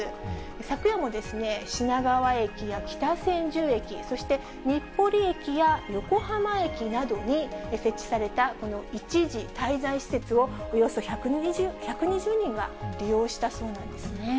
昨夜も品川駅や北千住駅、そして日暮里駅や横浜駅などに設置されたこの一時滞在施設を、およそ１２０人が利用したそうなんですね。